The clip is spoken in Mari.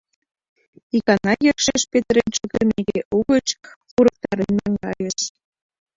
Икана йӧршеш петырен шуктымеке, угыч урыктарен наҥгайыш.